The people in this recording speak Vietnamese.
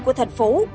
của thành phố